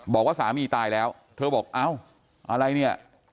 บอกว่าสามีตายแล้วเธอบอกเอ้าอะไรเนี่ย